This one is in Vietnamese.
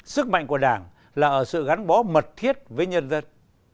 sức mạnh của đảng là ở sự gắn bó mật thiết với nhân dân